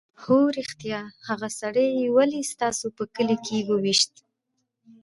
_هو رښتيا! هغه سړی يې ولې ستاسو په کلي کې وويشت؟